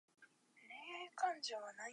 苦しいよ